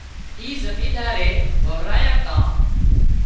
اِي زمينۮارئي وورايان تان